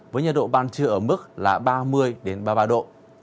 với nhật độ ban trưa ở mức là ba mươi đến ba mươi ba độ